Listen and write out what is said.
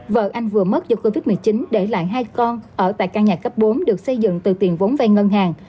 vợ anh vừa mất do covid một mươi chín để lại hai con ở tại căn nhà cấp bốn được xây dựng từ tiền vốn vay ngân hàng